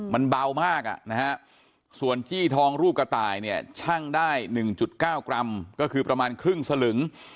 มันเบามากอ่ะนะฮะส่วนจี้ทองรูปกระต่ายเนี่ยชั่งได้๑๙กรัมก็คือประมาณครึ่งสลึง